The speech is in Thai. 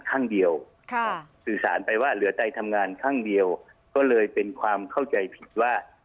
ข้างเดียวสื่อสารไปว่าเหลือใจทำงานข้างเดียวก็เลยเป็นความเข้าใจผิดว่า